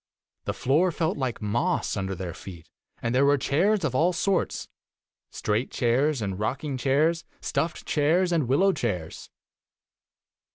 The floor felt like moss under their feet, and there were chairs of all sorts — straight io chairs and rocking chairs, stuffed chairs and wil low chairs.